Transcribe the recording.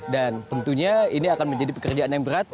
dan tentunya ini akan menjadi pekerjaan yang berat